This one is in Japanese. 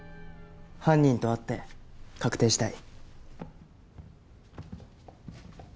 犯人と会って確定したい。